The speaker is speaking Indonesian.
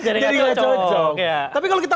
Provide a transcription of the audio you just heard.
jadi gak cocok tapi kalau kita